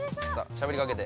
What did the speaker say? しゃべりかけて。